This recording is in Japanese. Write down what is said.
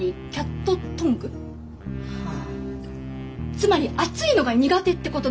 つまり熱いのが苦手ってこと。